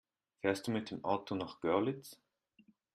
Fährst du mit dem Auto nach Görlitz?